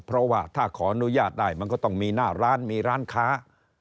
เพราะว่าถ้าขออนุญาตได้มันก็ต้องมีหน้าร้านมีร้านค้า